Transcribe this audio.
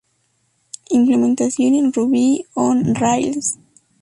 Implementación en Ruby on Rails.